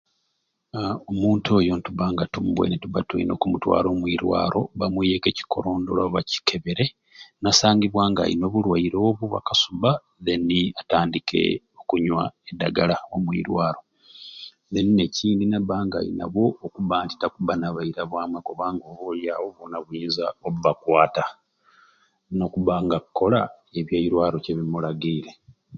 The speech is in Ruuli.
Aa omuntu oyo nituba nga tumuboine tulina okumutwala omwirwaro bamwieku ekikolondolwa bakikebere nasangibwa nga alina obulwaire obwo obwa kasubba deni atandike okunywa edagala omwirwaro deni n'ekindi nabba nga alina bwo alina okubba nga takubba na bairabaamwe kuba ob'olyawo boona buyinza okubakwata n'okubba nga akkola eby'eirwaro kibyamulagiire.